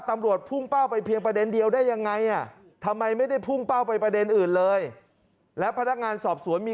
ทำรวจพุ่งเป้าไปเพียงประเด็นเดียวได้ยังไง